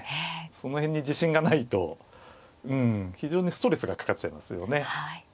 その辺に自信がないと非常にストレスがかかっちゃいますよね。